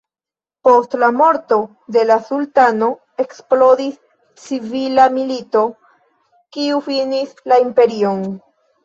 Post la morto de la sultano eksplodis civila milito kiu finis la imperion.